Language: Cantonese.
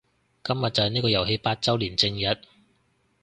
今日就係呢個遊戲八周年正日